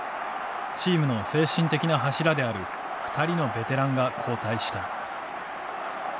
チームの精神的な柱である２人のベテランが交代した。